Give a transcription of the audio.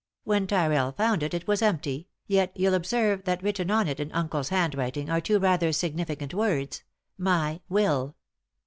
When Tyrrell found it, it was empty, yet you'll ob serve that written on it in uncle's handwriting are two rather significant words —' My Will.'